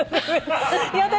やだ